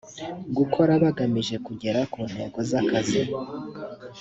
gukora bagamije kugera ku ntego z’akazi